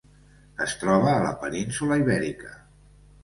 Es troba a la península Ibèrica.